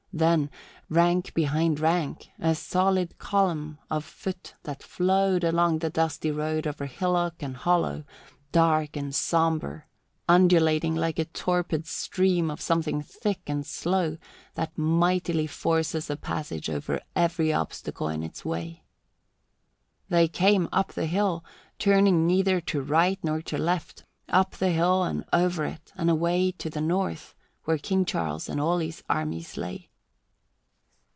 Then, rank behind rank, a solid column of foot that flowed along the dusty road over hillock and hollow, dark and sombre, undulating like a torpid stream of something thick and slow that mightily forces a passage over every obstacle in its way. They came up the hill, turning neither to right nor to left, up the hill and over it, and away to the north, where King Charles and all his armies lay.